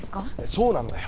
そうなんだよ